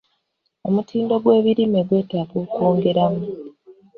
Omutindo gw'ebirime gwetaaga okwongeramu.